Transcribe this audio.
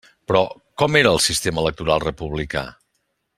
Però, ¿com era el sistema electoral republicà?